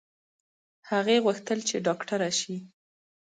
هغې غوښتل چې ډاکټره شي